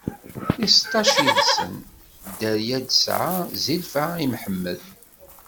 I seṭṭac yid-sen, d dderya i s-d-tesɛa Zilfa i Si Mḥemmed.